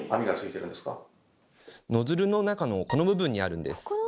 ノズルの中のこの部分にあるんです。